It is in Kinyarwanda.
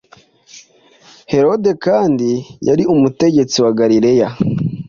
Herode kandi yari umutegetsi wa Galileya.